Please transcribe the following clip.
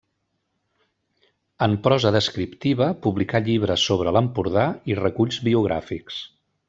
En prosa descriptiva publicà llibres sobre l’Empordà i reculls biogràfics.